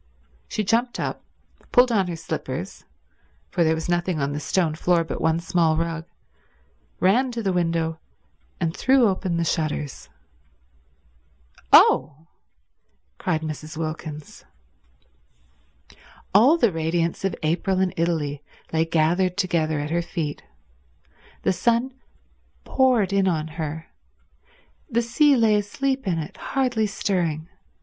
She jumped up, pulled on her slippers, for there was nothing on the stone floor but one small rug, ran to the window and threw open the shutters. "Oh!" cried Mrs. Wilkins. All the radiance of April in Italy lay gathered together at her feet. The sun poured in on her. The sea lay asleep in it, hardly stirring.